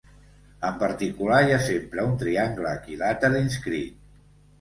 En particular, hi ha sempre un triangle equilàter inscrit.